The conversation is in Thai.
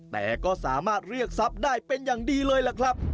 แต่ก็สามารถเรียกทรัพย์ได้เป็นอย่างดีเลยล่ะครับ